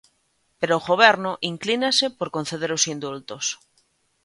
Pero o Goberno inclínase por conceder os indultos.